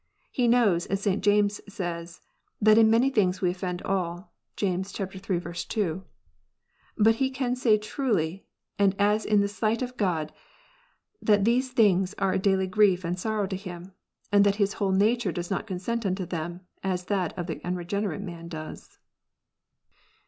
He knows, as St. James says, that "in many things we offend all." (James iii. 2.) But he ean say truly, and as in the sight of God, that these things are a daily grief and sorrow to him, and that his whole nature does not consent unto them, as that of the unregenerate man does.